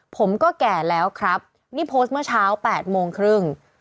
ผมก็แก่แล้วครับนี่โพสต์เมื่อเช้า๘โมงครึ่ง